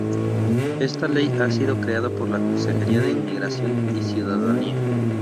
Esta Ley ha sido creada por la Consejería de Inmigración y Ciudadanía.